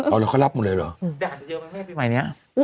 เอาแล้วเขารับหมดเลยเหรอ